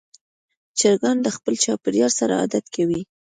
چرګان د خپل چاپېریال سره عادت کوي.